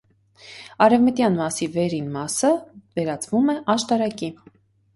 Արեւմտյան մասի վերին մասը վերածվում է աշտարակի։